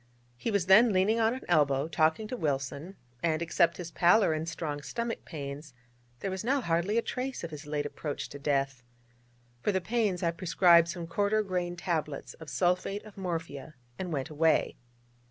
He was then leaning on an elbow, talking to Wilson, and except his pallor, and strong stomach pains, there was now hardly a trace of his late approach to death. For the pains I prescribed some quarter grain tablets of sulphate of morphia, and went away.